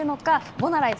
ボナライズ